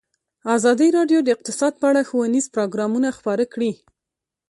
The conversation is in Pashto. ازادي راډیو د اقتصاد په اړه ښوونیز پروګرامونه خپاره کړي.